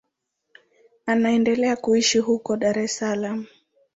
Anaendelea kuishi huko Dar es Salaam.